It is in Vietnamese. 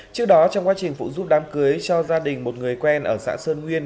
trước đó trong quá trình phụ giúp đám cưới cho gia đình một người quen ở xã sơn nguyên